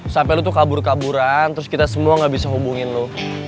sampai lu tuh kabur kaburan terus kita semua gak bisa hubungin lo